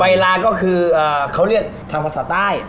ใบราก็คือเป็นทางภาษาใต้